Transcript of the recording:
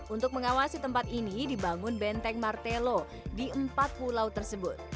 untuk mengawasi tempat ini dibangun benteng martelo di empat pulau tersebut